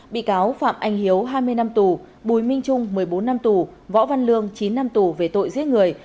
bị cáo phạm anh hiếu hai mươi năm tù bùi minh trung một mươi bốn năm tù võ văn lương chín năm tù về tội giết người